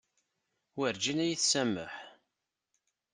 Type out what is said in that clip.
Werǧin ad yi-tsameḥ.